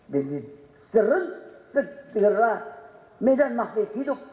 dan di serempet dengarlah medan makhluk hidup